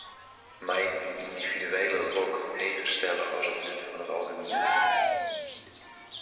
Mei ik myn yndividuele lok heger stelle as it nut fan it algemien?